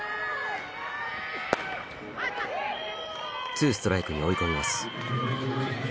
ツーストライクに追い込みます。